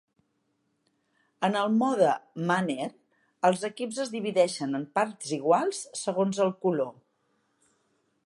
En el mode "Manner", els equips es divideixen en parts iguals segon el color.